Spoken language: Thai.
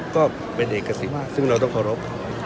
ก็เป็นเอกสิทธิมซึ่งเราต้องเคารพ